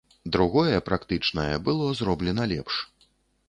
Другое, практычнае, было зроблена лепш.